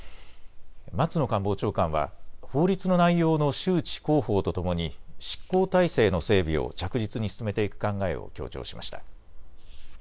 松野官房長官は法律の内容の周知・広報とともに執行体制の整備を着実に進めていく考えを強調しました。